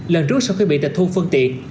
lần trước sau khi bị tịch thu phương tiện